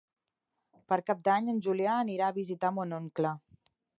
Per Cap d'Any en Julià anirà a visitar mon oncle.